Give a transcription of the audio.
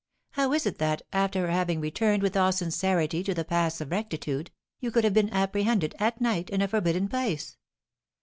How is it that, after having returned with all sincerity to the paths of rectitude, you could have been apprehended, at night, in a forbidden place?